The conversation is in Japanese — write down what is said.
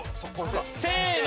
せの！